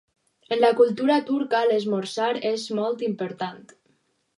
En la cultura turca l'esmorzar és molt important.